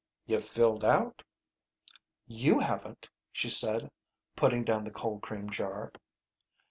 "You've filled out." "You haven't," she said, putting down the cold cream jar.